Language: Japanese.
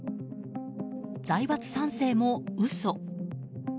財閥３世も嘘。